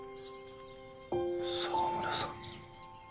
澤村さん。